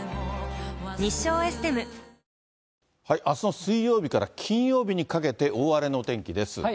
あすの水曜日から金曜日にかけて、大荒れのお天気です。